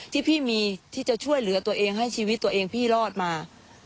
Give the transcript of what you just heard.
ที่พี่มีที่จะช่วยเหลือตัวเองให้ชีวิตตัวเองพี่รอดมา